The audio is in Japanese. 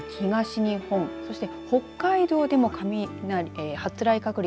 近畿、東日本そして北海道でも発雷確率